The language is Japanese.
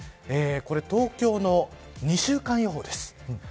これ、東京の２週間予報です。